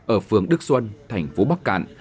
ở phường đức xuân thành phố bắc cạn